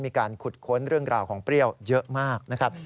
มีการขุดค้นเรื่องราวของเปรี้ยวเยอะมากนะครับ